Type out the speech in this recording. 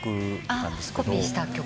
コピーした曲？